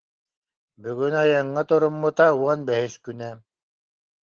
Бүгүн айаҥҥа туруммута уон бэһис күнэ